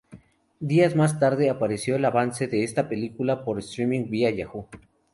Días más tarde, apareció el avance de esta película por streaming vía Yahoo!